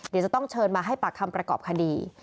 เดี๋ยวจะต้องเชิญมาให้ปากคำประกอบคดี